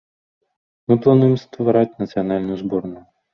Мы плануем ствараць нацыянальную зборную.